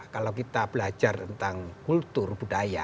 kalau kita belajar tentang kultur budaya